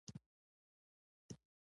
ادب د تاریخ حافظه ده.